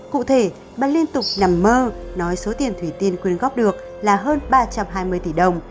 cụ thể bà liên tục nằm mơ nói số tiền thủy tiên quyên góp được là hơn ba trăm hai mươi tỷ đồng